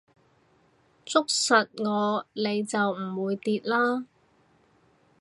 捉實我你就唔會跌啦